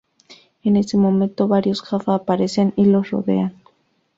En ese momento, varios Jaffa aparecen y los rodean.